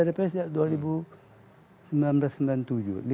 pilpresnya tahun seribu sembilan ratus sembilan puluh tujuh